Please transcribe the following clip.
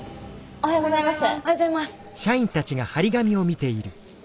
おはようございます。